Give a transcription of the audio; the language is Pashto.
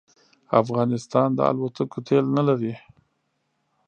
افغانستان د الوتکو تېل نه لري